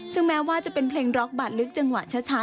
ซึ่งแม้ว่าจะเป็นเพลงร็อกบาดลึกจังหวะช้า